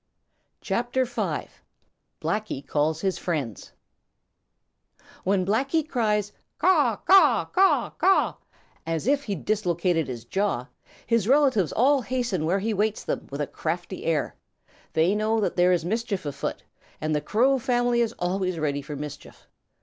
CHAPTER V: Blacky Calls His Friends When Blacky cries "Caw, caw, caw, caw!" As if he'd dislocate his jaw, His relatives all hasten where He waits them with a crafty air. They know that there is mischief afoot, and the Crow family is always ready for mischief.